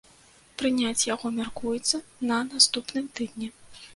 Прыняць яго мяркуецца на наступным тыдні.